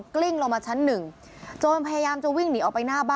กลิ้งลงมาชั้นหนึ่งโจรพยายามจะวิ่งหนีออกไปหน้าบ้าน